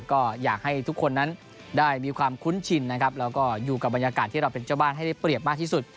ก็อยากให้ทุกคนนั้นได้มีความคุ้นชินนะครับแล้วก็อยู่กับบรรยากาศที่เราเป็นเจ้าบ้านให้ได้เปรียบมากที่สุด